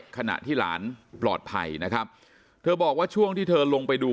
ขณะที่หลานปลอดภัยนะครับเธอบอกว่าช่วงที่เธอลงไปดู